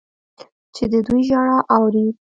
چې د دوی ژړا اوري.